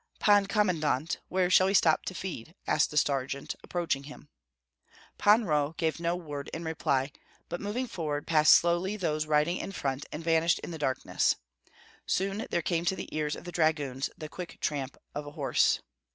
"Pan Commandant, where shall we stop to feed?" asked the sergeant, approaching him. Pan Roh gave no word in reply, but moving forward passed slowly those riding in front and vanished in the darkness. Soon there came to the ears of the dragoons the quick tramp of a horse.